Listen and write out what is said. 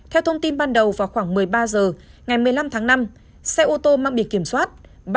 theo thông tin ban đầu vào khoảng một mươi ba h ngày một mươi năm tháng năm xe ô tô mang bì kiểm soát